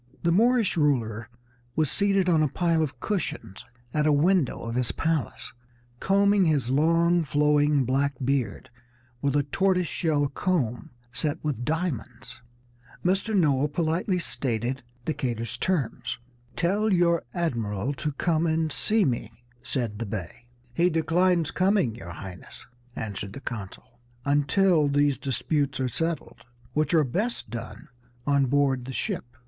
The Moorish ruler was seated on a pile of cushions at a window of his palace, combing his long, flowing black beard with a tortoise shell comb set with diamonds. Mr. Noah politely stated Decatur's terms. "Tell your admiral to come and see me," said the Bey. "He declines coming, your Highness," answered the consul, "until these disputes are settled, which are best done on board the ship."